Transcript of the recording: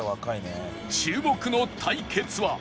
注目の対決は